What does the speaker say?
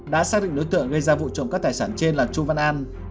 đã xác định đối tượng gây ra vụ trộm cắp tài sản trên là trung văn an